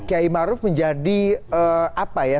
kiai maruf menjadi apa ya